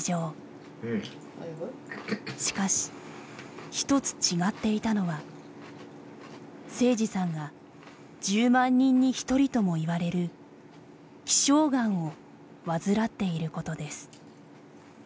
しかし一つ違っていたのは誠司さんが１０万人に１人とも言われる希少がんを患っていることです。